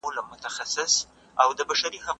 زه له سهاره کالي وچوم،